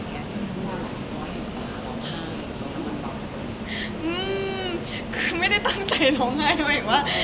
อืมคือไม่ได้ตั้งใจร้องไห้ทำไมว่า